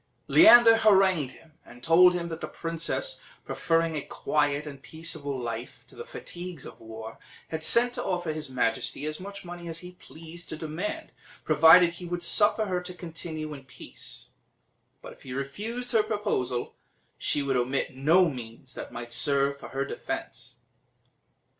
Leander harangued him, and told him that the princess, preferring a quiet and peaceable life to the fatigues of war, had sent to offer his majesty as much money as he pleased to demand, provided he would suffer her to continue in peace; but if he refused her proposal, she would omit no means that might serve for her defence.